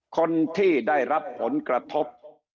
คนที่ได้รับผลกระทบ